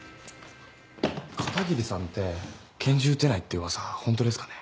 片桐さんって拳銃撃てないって噂ホントですかね？